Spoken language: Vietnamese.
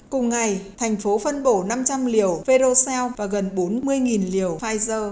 cùng ngày thành phố phân bổ năm trăm linh liều verocell và gần bốn mươi liều pfizer